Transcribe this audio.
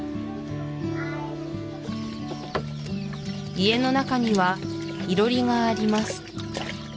家の中には囲炉裏があります